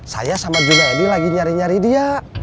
saya sama junaidi lagi nyari nyari dia